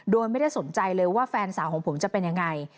โดยไม่ได้สนใจเลยว่าแฟนสาวของผมจะเป็นยังไง